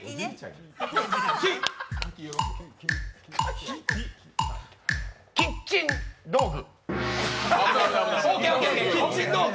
きキッチン道具。